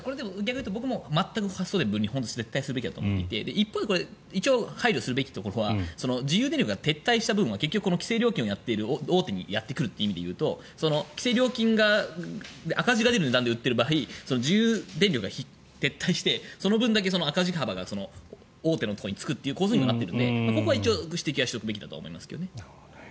僕も全く発送電分離絶対するべきだと思っていて一方で配慮すべきところは自由電力が撤退した分は大手にやってくるという意味で言うと規制料金が赤字が出る値段で売っている場合自由電力が撤退してその分だけ赤字幅が大手のところにつくという構図にもなってるのでここは一応指摘しておくべきだと思います。